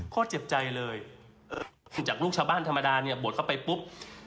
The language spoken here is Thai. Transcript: เจ็บใจเลยจากลูกชาวบ้านธรรมดาเนี่ยบวชเข้าไปปุ๊บ